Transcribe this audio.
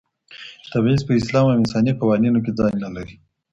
تبعیض په اسلام او انساني قوانینو کي ځای نه لري.